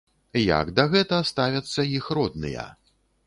Як да гэта ставяцца іх родныя?